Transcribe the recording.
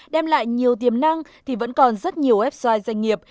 đem lại nhiều tiềm năng thì vẫn còn rất nhiều website doanh nghiệp